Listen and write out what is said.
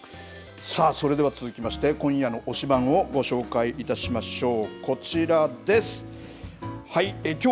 それでは続きまして、今夜の推しバン！をご紹介いたしましょう。